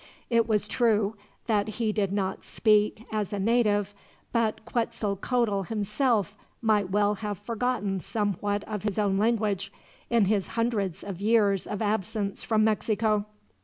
It was true that he did not speak as a native, but Quetzalcoatl, himself, might well have forgotten somewhat of his own language, in his hundreds of years of absence from Mexico.